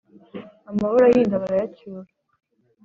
amahoro ahinda barayacyura